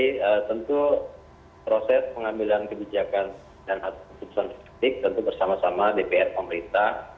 jadi tentu proses pengambilan kebijakan dan hak keputusan teknik tentu bersama sama dpr pemerintah